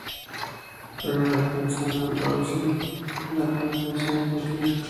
Juega de defensa en Aldosivi de la Primera División Argentina.